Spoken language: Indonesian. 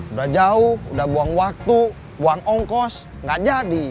udah jauh udah buang waktu buang ongkos nggak jadi